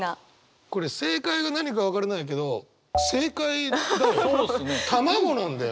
これ正解が何か分からないけど正解だよ。